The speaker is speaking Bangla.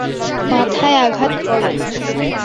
মাথায় আঘাত করো!